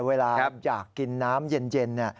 เวลาอยากกินน้ำเย็น